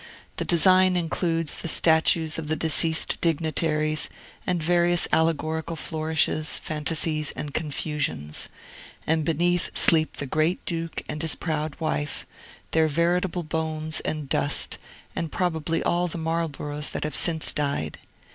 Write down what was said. The design includes the statues of the deceased dignitaries, and various allegorical flourishes, fantasies, and confusions; and beneath sleep the great Duke and his proud wife, their veritable bones and dust, and probably all the Marlboroughs that have since died.